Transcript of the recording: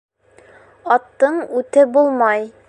Аттың үте булмай